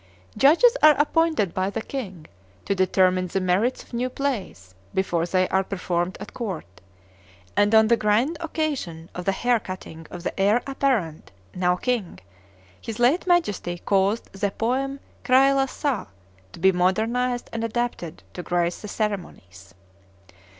Judges are appointed by the king to determine the merits of new plays before they are performed at court; and on the grand occasion of the hair cutting of the heir apparent (now king) his late Majesty caused the poem "Kraelasah" to be modernized and adapted to grace the ceremonies.